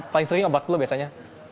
paling sering obat lu biasanya